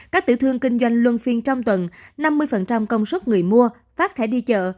các tiểu thương kinh doanh luân phiên trong tuần năm mươi công suất người mua phát thẻ đi chợ